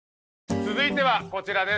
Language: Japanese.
続いてはこちらです。